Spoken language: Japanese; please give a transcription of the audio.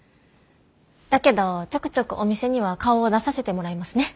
だけどちょくちょくお店には顔を出させてもらいますね。